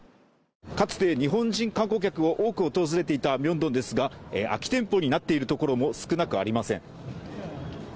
かつて日本人観光客が多く訪れていたミョンドンですが、空き店舗なっている所も少なくありません。